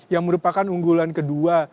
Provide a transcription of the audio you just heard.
yang merupakan unggulan kedua